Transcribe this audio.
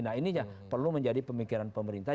nah ini perlu menjadi pemikiran pemerintah